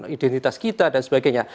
identitas kita dan sebagainya